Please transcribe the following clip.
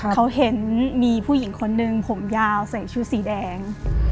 เขาเห็นมีผู้หญิงคนหนึ่งผมยาวใส่ชุดสีแดง